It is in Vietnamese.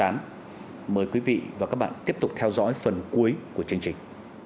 mời quý vị và các bạn tiếp tục theo dõi phần cuối của chương trình